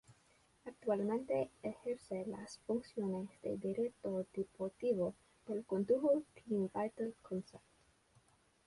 Actualmente ejerce las funciones de director deportivo del conjunto Team Vital Concept.